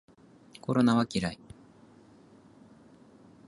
コロナは嫌い